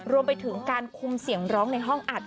รวมไปถึงการคุมเสียงร้องในห้องอัด